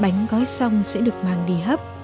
bánh gói xong sẽ được mang đi hấp